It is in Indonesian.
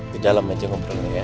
ke dalam aja gue perni ya